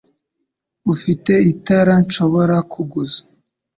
Ufite itara nshobora kuguza?